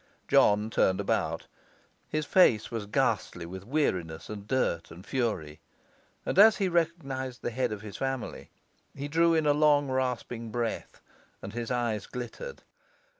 John turned about; his face was ghastly with weariness and dirt and fury; and as he recognized the head of his family, he drew in a long rasping breath, and his eyes glittered.